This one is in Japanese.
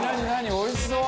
おいしそう」